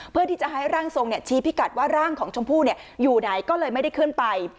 เพื่อที่จะให้ร่างทรงชี้พิกัดว่าร่างของชมพู่อยู่ไหนก็เลยไม่ได้ขึ้นไป